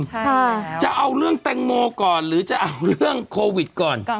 ใช่จะเอาเรื่องแตงโมก่อนหรือจะเอาเรื่องโควิดก่อน